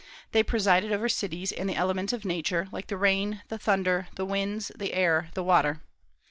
They presided over cities and the elements of Nature, like the rain, the thunder, the winds, the air, the water.